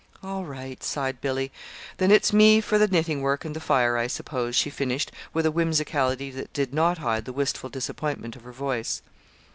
"All right," sighed Billy. "Then it's me for the knitting work and the fire, I suppose," she finished, with a whimsicality that did not hide the wistful disappointment of her voice.